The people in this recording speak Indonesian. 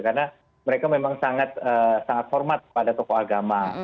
karena mereka memang sangat hormat kepada tokoh agama